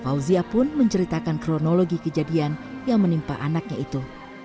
fauzia pun menceritakan kronologi kejadian yang menimpa anaknya itu